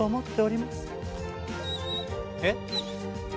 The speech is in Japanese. えっ？